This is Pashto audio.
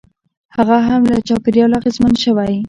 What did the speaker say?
هغه هم له چاپېریال اغېزمن شوی.